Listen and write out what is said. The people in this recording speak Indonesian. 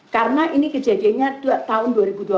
karena ini kejadiannya tahun dua ribu dua puluh